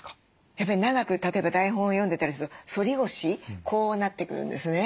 やっぱり長く例えば台本を読んでたりすると反り腰こうなってくるんですね。